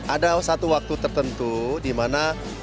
ada satu waktu tertentu di mana